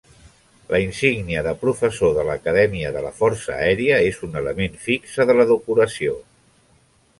La insígnia de professor de l'Acadèmia de la Força Aèria és un element fixe de la decoració.